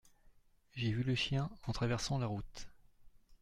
J’ai vu le chien en traversant la route.